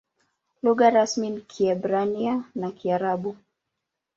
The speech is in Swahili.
Lugha rasmi ni Kiebrania na Kiarabu.